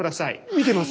見てます。